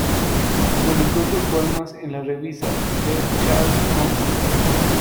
Publicó sus poemas en la revista Le Chat noir.